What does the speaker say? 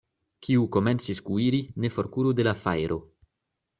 Kiu komencis kuiri, ne forkuru de la fajro.